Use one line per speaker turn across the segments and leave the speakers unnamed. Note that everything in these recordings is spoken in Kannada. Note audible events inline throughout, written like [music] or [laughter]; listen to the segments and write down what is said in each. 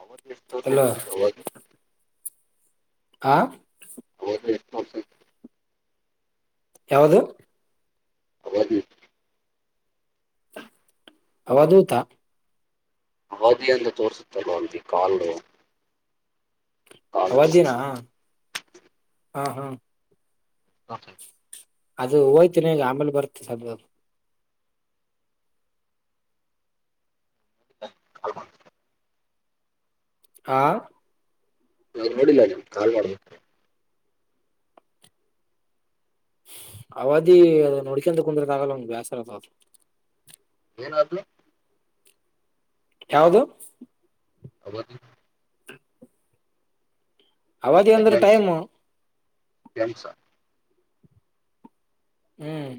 ಅವಾಗ ಎಷ್ಟು ದೋಸ
ಅಲೋ
ಇದಿ ಅವಾಗ
ಹಾ
ಹೌಸ
ಯಾವದು
ಅವಧಿ
ಅವದೂತ
ಅವಧಿ ಎಂದು ತೋರಿಸುತ್ತವೆ ಅಂತಿ ಕಾಲುು
ಅವದಿನನ ಹಾ ಹಾ
[inaudible]
ಅದು ಹೋಯ್ತೀನಿ ಈಗ ಆಂಬೇಲೆ ಬರ್ತ ಸ್ವಲ್
[inaudible]
ಹಾ
ನಾನು ನೋಡಿಲ್ಲ ನೀ ಕಾಲ್ ಮಾಡುದು
ಅವಧಿ ಅದು ನೋಡ್ಕಂತ ಕುಂದಿರತ ಆಗಲ್ಲ ಒಂದು ಬೇಾಸರತ ಅದು
ಏನಾದ್
ಯಾವದು
ಅವದಿ
ಅವಧಿ ಅಂದ್ರೆ ಟೈಮು
ಕೆಲ್ಸ
ಹ್ಮ್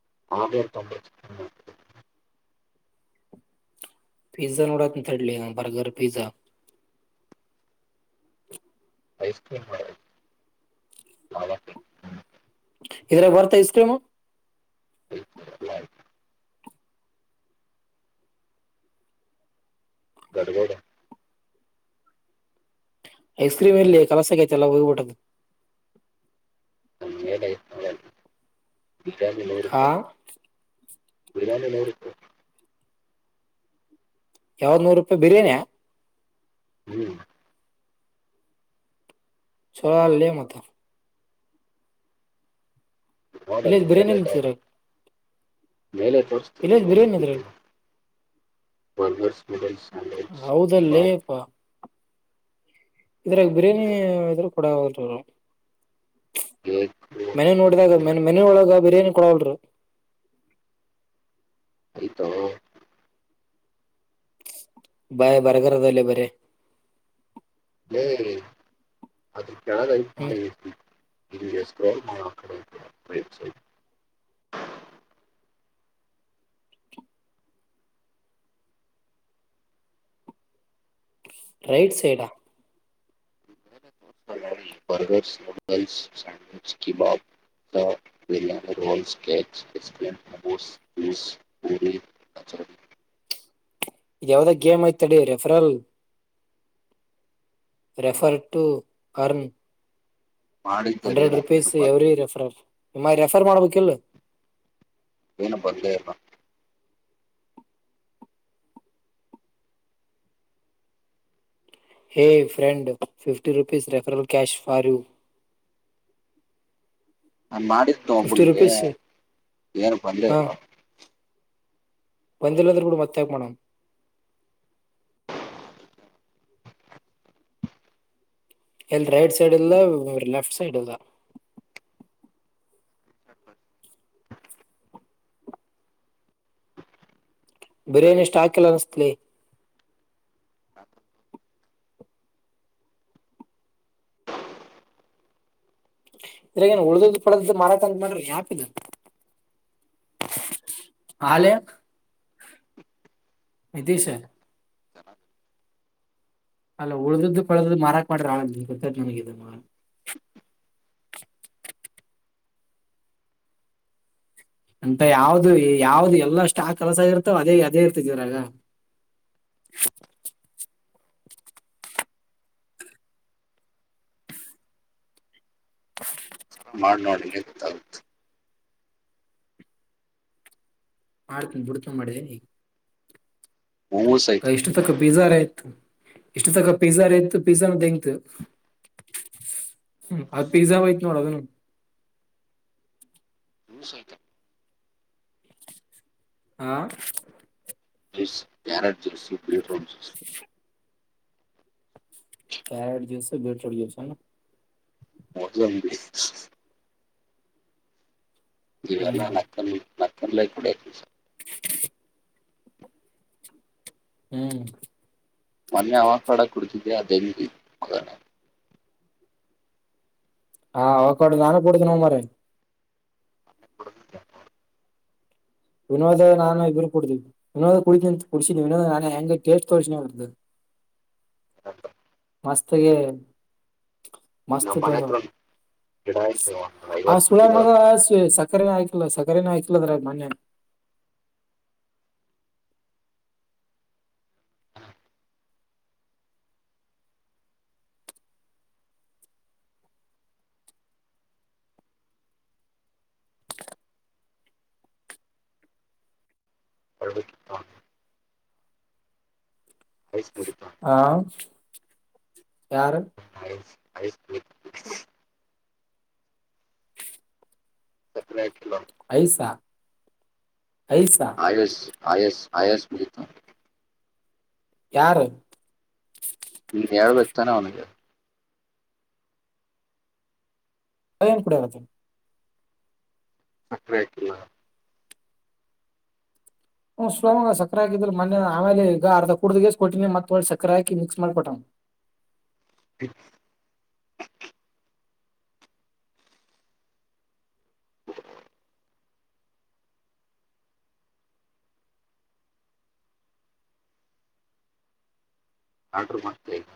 [inaudible]
ಪಿಜ್ಜಾ ನೋಡ ಅಂತಡ್ಲಿ ಬರ್ಗರ್ ಪಿಜ್ಜಾ
ಐಸ್ಕ್ರೀಮ ಮಾಡ
ಇದ್ರ ಬರ್ತ ಐಸ್ ಕ್ರೀಮು
[inaudible] ಗಡಗಡ
ಐಸ್ ಕ್ರೀಮ್ ಎಲ್ಲಿ ಕೆಲಸಕ್ಕೆತೆ ಎಲ್ಲ ಹೋಗಿಬಿಟ್ಟದ್ದ
ಅನ್ನಲೆ ಈರ ನಲರುತ
ಹಾ
ಬಿರ್ಯಾನಿ ನೋಡ
ಯಾವತ್ ನೂರು ರೂಪಾಯಿ ಬಿರಿಯಾನಿಯ
ಹ್ಮ್
ಚೋಳೋಳ್ಳೆ ಮಾತ ಇಲ್ಲ
ನೋಡಲ್ಲಿ ಮೇಲೆ
ಬಿರಿಯಾನಿ ಇತ್ರ
ಇದ್ದಾವೆ ಮೇಲೆ ತೋರಿಸ್ತೀರ ನೈನ್
ಬಿರಿಯಾನಿ
ಕಿ
ಇದ್ರಾಗ
ವನ್ರ್ಸ್ ನೂಡಲ್ಸ್ ಸ್ಯಾಂಡ್ವಿಚ್ ಕಬಾಬ್
ಹೌದಲ್ಲೇಪ್ಪಾ ಇದ್ರಾಗ ಬಿರಿಯಾನಿ ಇದ್ರ ಕೊೂಡ ಹೋದರು
ಕೇಕ್
ಮೆನೆ ನೋಡಿದಾಗ ಮ ಮನೆ ಒಳಗ ಬಿರಿಯಾನಿ ಕೊಡಲರಿ
[inaudible]
[inaudible] ಬರ್ಗರ್ ಅದಲ್ಲ ಬರ
ಲೇ ಅದಕ್ಕೆಳ ಅರಿಪ
ಹ್ಮ್
[inaudible]
ರೈಟ್ ಸೈಡಾ [unintelligible]
ಬರ್ಗರ್ಸ್ ನೂಡಲ್ಸ್ ಸ್ಯಾಂಡವಿಚ ಕ ಬಬ್ ಬಿರಿಯಾನಿ ರೋಲ್ಕಚ್ ಐಸ್ ಕ್ರೀಮ್ ಜಸ್ ಪೂ ಅ [inaudible]
ಇ ಯಾವ್ದಾಗ ಗೇಮ್ ಆಯ್ತಡ ರೆಫರಲ್ ರೆಫರ್ ಟು ಅರ್ನ್
ಮಾಡಿದ್ದಲ್ಲಿ
ಹಂಡ್ರೆಡ್
ನಮ್ಗೇನು
ರುಪೀಸ್
ಬಂದ್
ಎವ್ರಿ ರೆಫರ್ ನಿಮ್ಮ ರೆಫರ್ ಮಾಡ್ಬೇಕ ಇಲ್
ಏನಪ್ಪಾ [unintelligible]
ಹೇ friend fifty ೂಪೀಸ್ referral cash for you
ನಾ ಮಾಡಿದ್ದು
ಫಿಫ್ಟಿ
ಒಬನಿಗೆ
ರುಪೀಸ್
ಏನು ಬಂದೇ
ಹಾ
ಇಲ್ಲ
ಬಂದಿಲ್ಲ ಅಂದರುೂ ಬುಡು ಮತ್ತಾಕ ಮಡಣ್ಣ ಎಲ್ಲಿ ರೈಟ್ ಸೈಡ್ ಇಲ್ಲ ಲೆಫ್ಟ್ ಸೈಡ್ ಇಲ್ಲ ಬಿರಯಾನಿ ಸ್ಟಾಕ್ ಇಲ್ಲ ಅನ್ಸುತ್ಲೆ ಇದ್ರಾಗ ಏನ್ ಉಳ್ದ್ದ ಪಡದ್ದ ಮಾರಕ್ ಅಂತ ಮಾಡಾರಿ ಆಪ್ ಇದು ಹಾಲೇ ನಿತೀಶ್ ಅಲ್ಲ ಉಳ್ದದ್ದು ಪಳ್ದುದು ಮಾರಾಕ್ ಮಾಡ್ರ ಆ ಗೊತ್ತ ನಮಗ [unintelligible] ಅಂತ ಯಾವ್ದು ಯಾವ್ದ ಎಲ್ಲಷ್ಟ ಆ [unintelligible] ಕೆಲಸ ಇರ್ತಾವ ಅದೇ ಅದೇ ಇರ್ತಿದ ಇವ್ರಾಗ [inaudible]
ಮಾಡ್ ನೋಡ್ಲಿ ಗೊತ್ತಾಗುತ್ತೆ
ಮಾಡ್ತನ್ಿ ಬಿಡ್ಕೊಂಡ ಮಾಡಿದ್ದೇನೆ ಈಗ
ಮೊಮೋಸ್ ಐತೆ
ಇಷ್ಟು ತಕ್ಕ ಬೀಜಾರ ಆಯ್ತು ಇಷ್ಟು ತಕ ಪಿಜ್ಜಾ ರ ಇತು ಪಿಜ್ಜಾಾನಂಂತು ಹ್ಮ್ ಅ್
ಮೊಮೋಸ್
ಪಿಜಾ ಹೋಯ್ತು ನೋಡು ಅದುನು
ಮೂ ಸ ಆತ [unintelligible]
ಹಾ
ಯಾರ ಜಸ [unintelligible]
[inaudible] ಾಯಡ್ ಜಸ ಬೆೇಟರ್ ಜಸ [unintelligible]
ಮೌದಲ [unintelligible] ಇವೆಲ್ಲ
ಹ್ಮ್
ನಕ್ಕನ್ ನಕ್ಕಲ್ಲ ಕೂಡ
ಹ್ಮ್
ಮೊನ್ನೆ ಅವಖಾಡ ಕುಡಿತಿದ್ದೆಯ ಅ ದೈನ ಮೊಗನೇ
ಹಾ ಹವ್ಕ್ಕಾಡು ನಾನು ಕೊಡೀತೀನೋ ಮಾರಾಯ ವಿನೋದ ನಾನು ಇಬ್್ರರು ಕುಡತೀವಿ ವಿನೋದ ಕುಡೀಿಂತ ಕುಡಸಿದಿ ವಿನೋದ ನಾನ ಹೆಂಗ ಟೇಸ್ಟ್ ತೋರಿಸ ಬರ್ತದೆ ಹ್ಮ್ಮ್. [inaudible]
ಹ [unintelligible]
ಮಸ್ತಗೆ
ನಮ್ಮ
ಮಸ್ತ್
ಮನೆ
ತಂದ
ಹತ್ರ ಒಂದು ಗಿಡ ಐತೆ ಒಂದು
ಆ
ಐವತ್ತು
ಸುಳ ಮ
ಬಿಟ್ಟಿದ್ದು
ಸಕ್ಕರೆ ಆ ಲ್ಲ ಸಗರೆನ ಆಯಕ್ಲದ್ರ ಮನ್ನ [unintelligible]
ಹಳ ಹ [unintelligible] ಹಯ [unintelligible]
ಹಾ ಯಾರು
ಐಸ್ಕ್ರೀಮ ಸಕ್ಕರೆ ಅಕಿಲ್ಲ
ಐಸಾ ಐಸಾ
ಆಯಸ್ ಆಯಸ್ ಆಯಸ್ಿತ
ಯಾರು
ಹ ಳ ವ್ಯಕ್ತಾನ ಆವ್ನಿಗೆ
ಪಯನ್ ಕೂಡ ಅತ್ತ
ಸಕ್ರೆ ಹಾಕಿಲ್ಲ
ಹ ಸ್ಲೋಂಗ ಸಕರೆಾಕಿದ್ರ ಮೊೆ ಆಮೇಲೆ ಈಗ ಅರ್ಧ ಕುಡ್ದಷ್ಟ ಕೊಟ್ಟಿನಿ ಮತ್ತ ಒಳ್ಳೆ ಸಕ್ಕರೆ ಹಾಕಿ ಮಿಕ್ಸ್ ಮಾಡಿ ಕೊಟ್ಟನ ಹ್ಮ್ಮ್. [inaudible]
ಹ [unintelligible] ಆರ್ಡ್ರ ಮಾಡ್ತ ಈಗ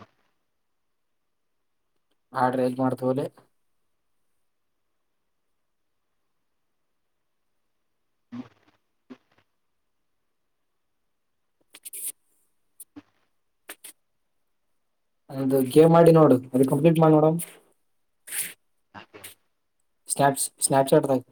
ಆಡ್ರ ಎಲ್ ಮಾಡ್ತವ್ರಿ
ಹ್ಮ
ಅದು ಗೇಮ್ ಮಾಡಿ ನೋಡು ಅದ ಕಂಪ್ಲೀಟ್ ಮಾಡಿ ನೋಡ ಸ್ನಪ್ ಸ್ನಯಪಚ್ಯಾಟ್ ತ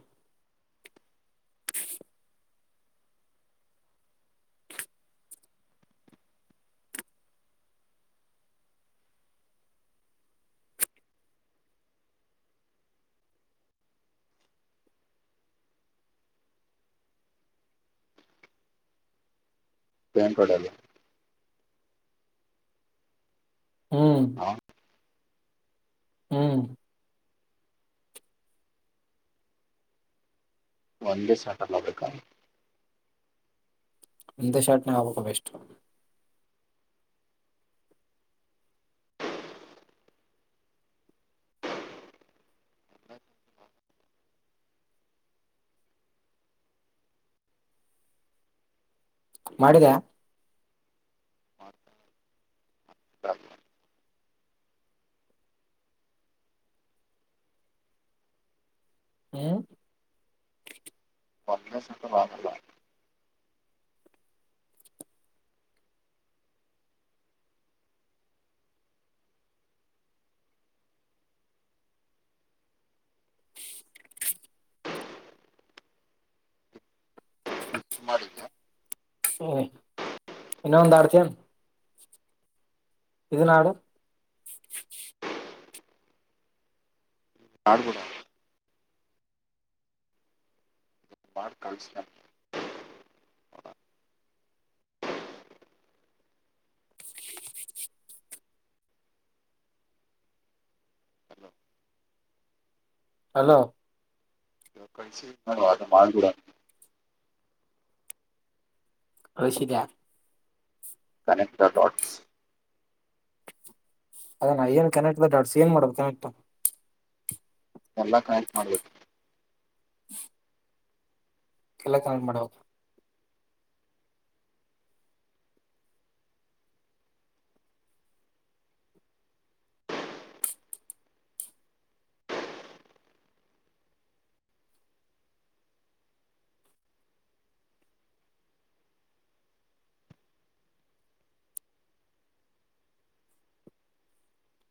ಪ್ಯಾಂಪಡಲ್ಲಿ
ಹ್ಮ್
ಅವ್ನ್
ಹ್ಮ್
ಒಂದ ಸಟಲ್ಲ ಅಡುಕ
ಇಂದ ಶಾಟ್ ನ ಅವಾಬಕ ಬೆಸ್ಟ್ ಮಾಡಿದ ಹ್ಮ
ಪಂಗ್ರೆಸ್ಕ್ಕ ಮಾಡಲ್ಲ ಮಾಡಿದ್ದ
ಇನ್ನ ಒಂದ ಆಡ್ತ ಇದುನ ಆಡು
ಆಡು ಕೂಡ ಬ ಕನ್ಸ್ [inaudible]
ಹಲೋ
[inaudible]
ಕಲಿಸಿದ
ಕನೆಕ್ಟ್ ದ ಡಾಟ್ಸ್
ಅದ ನಾ ಏನ್ ಕನೆಕ್ಟ್ ದಡಾಡ್ಸಿ ಏನ್ ಮಾಡಬೇಕು ಕನೆಕ್ಟ್
ಎಲ್ಲ ಕನ್ಟೆಕ್ಟ್ ಮಾಡ್ಬೇಕು
ಎಲ್ಲ ಕನೆಕ್ಟ್ ಮಾಡುವ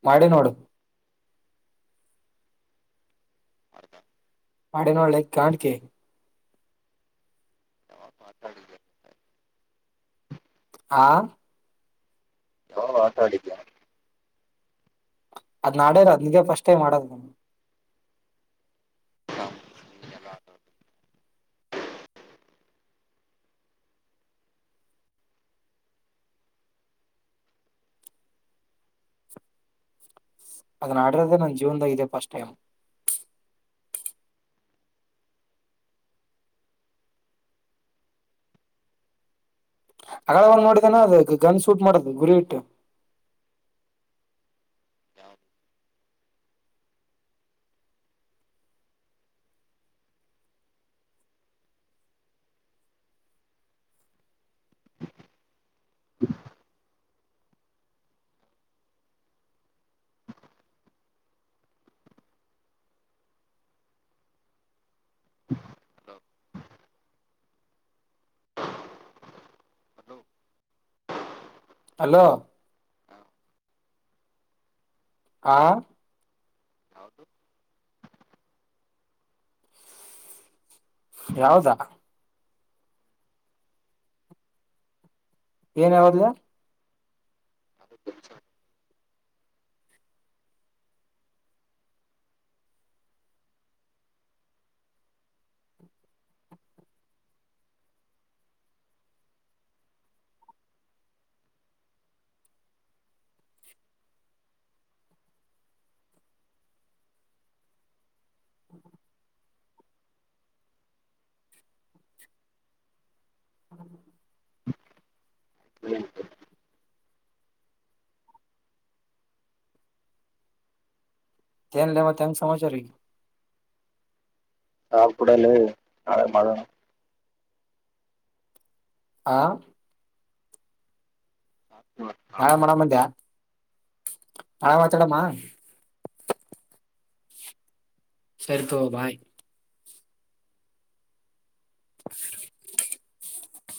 ಮಾಡಿ ನೋಡು [inaudible]
ಯಾವಾಗ ಆಟ ಆಡಿದ್ಯಾ
ಹಾ
[inaudible]
ಅದ್ ನಾಡೇಲ್ಲ ನಿ ಫಸ್ಟ್ ಟೈಮ್ ಆದು ನ
ನಾವು ಎಲ್ಲ ಆಟ ಆಡಿದ್ಯಾ?
ಅದನ್ ಆಡರೋದೇ ನನ್ ಜೀವನ್ದಾಗ ಇದೆ ಫಸ್ಟ್ ಟೈಮ್ ಹಗಳ ಒಂದ ನೋಡಿದನ ಅದ ಗನ್ ಸೂಟ್ ಮಾಡದು ಗುರಿ ಇಟ್ಟು
ಯಾವ್ದು ಹಲೋ [unintelligible]
ಹಲೋ ಹಾ
[unintelligible]
ಯಾವದಾ ಏನ್ ಯಾವದಲ
[unintelligible]
[unintelligible] ಹ್ಮ [unintelligible]
[unintelligible]
ಏನ್ ಲೇ ಏನ್ ಸಮಚಾರ
ಹಾ ಕೂಡಲ್ಲ ನಾಳೆ ಮಾಡ
ಹ
ನಾಳೆ
ನಾಳೆ ಮಾಡಮ್ ಅಂದ್ಯಾ ನಾಳೆ ಮಾತಾಡೋಣ ಸರಿ ತ ಬಾಯ್ [unintelligible]